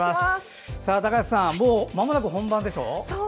高橋さん、まもなく本番でしょ？